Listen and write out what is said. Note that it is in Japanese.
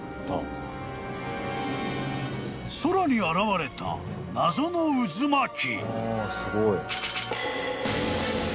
［空に現れた謎の渦巻き］